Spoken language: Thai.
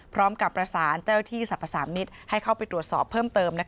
พร้อมกับประสานเจ้าที่สรรพสามิตรให้เข้าไปตรวจสอบเพิ่มเติม